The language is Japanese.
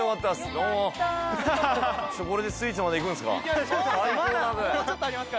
どうもこれでスイーツまで行くんすか？